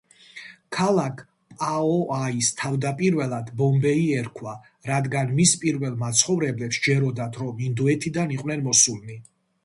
ქალაქ პაოაის თავდაპირველად „ბომბეი“ ერქვა, რადგან მის პირველ მაცხოვრებლებს სჯეროდათ, რომ ინდოეთიდან იყვნენ მოსულნი.